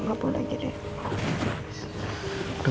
bapak lagi deh